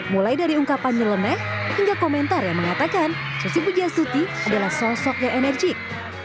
mulai dari ungkapannya lemeh hingga komentar yang mengatakan susi pujastuti adalah sosok yang enerjik